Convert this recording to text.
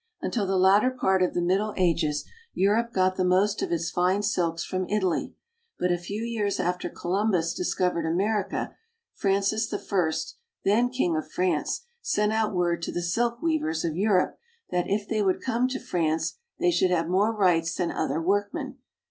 Until the latter part of the Middle Ages, Europe got the most of its fine silks from Italy; but a few years after Columbus discovered America, Francis I, then king of France, sent out word to the silk weavers of Europe that if they would come to France they should have more rights than other workmen.